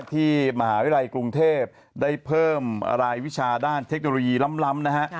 ที่มหาวิทยาลัยกรุงเทพได้เพิ่มรายวิชาด้านเทคโนโลยีล้ำนะฮะ